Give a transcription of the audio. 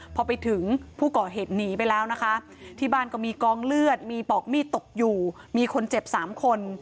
พอไปถึงผู้ก่อเหตุหนีไปแล้วนะคะที่บ้านก็มีกองเลือดมีปอกมีดตกอยู่มีคนเจ็บ๓คน